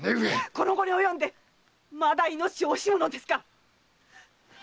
この期に及んでまだ命を惜しむのですか⁉